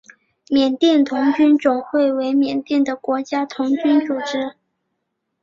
缅甸童军总会为缅甸的国家童军组织。